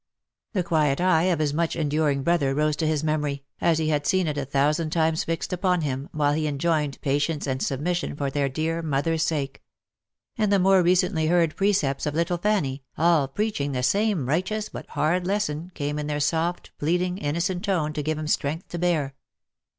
The quiet eye of his much enduring brother rose to his memory, as he had seen it a thousand times fixed upon him, while he enjoined patience and submission for their dear mother's sake ; and the more recently heard precepts of little Fanny, all preaching the same righteous, but hard lesson, came in their soft, pleading, innocent tone to give him strength to bear.